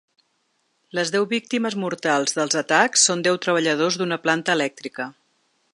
Les deu víctimes mortals dels atacs són deu treballadors d’una planta elèctrica.